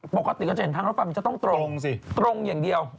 ปกติก็จะเห็นทางรถไฟมันจะตรงตรงอย่างเดียว